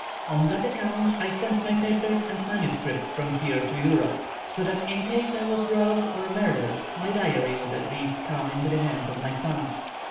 On that account I sent my papers and manuscripts from here to Europe, so that in case I was robbed or murdered my diary would at least come into the hands of my sons.